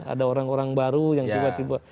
ada orang orang baru yang tiba tiba